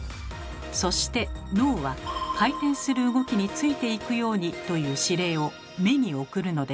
そして脳は「回転する動きについていくように！」という指令を目に送るのです。